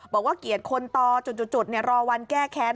บอกว่าเกียรติคนต่อจุดรอวันแก้แค้น